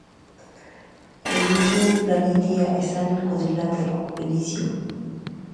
Elysium Planitia está en el cuadrilátero Elysium.